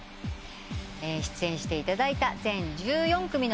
出演していただいた全１４組のアーティスト。